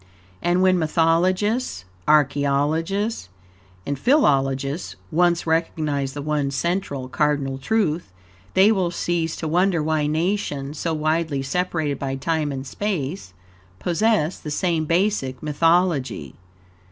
And when mythologists, archaeologists, and philologists once recognize the one central, cardinal truth, they will cease to wonder why nations, so widely separated by time and space, possess the same basic mythology.